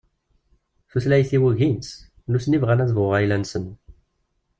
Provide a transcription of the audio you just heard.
Tutlayt-iw ugin-tt, nutni bɣan ad bɣuɣ tayla-nsen.